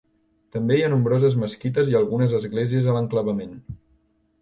També hi ha nombroses mesquites i algunes esglésies a l'enclavament.